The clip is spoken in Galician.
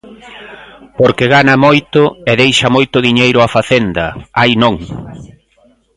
Porque gana moito e deixa moito diñeiro a facenda, ai non!